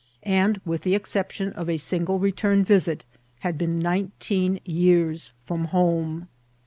End with the exception of e single return viBit, hfid been nineteen yesrs from home.